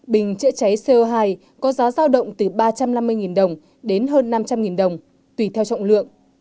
bình chữa cháy co hai có giá giao động từ ba trăm năm mươi đồng đến hơn năm trăm linh đồng tùy theo trọng lượng